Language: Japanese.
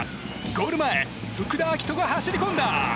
ゴール前福田晃斗が走りこんだ！